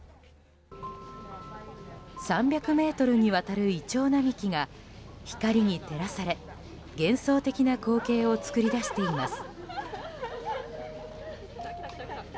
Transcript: ３００ｍにわたるイチョウ並木が光に照らされ、幻想的な光景を作り出しています。